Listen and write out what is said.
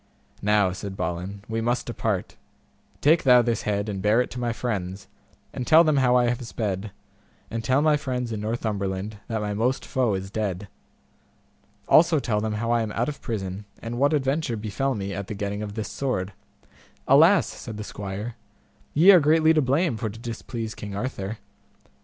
Now, said Balin, we must depart, take thou this head and bear it to my friends, and tell them how I have sped, and tell my friends in Northumberland that my most foe is dead. Also tell them how I am out of prison, and what adventure befell me at the getting of this sword. Alas! said the squire, ye are greatly to blame for to displease King Arthur.